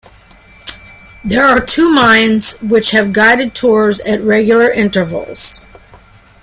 There are two mines which have guided tours at regular intervals.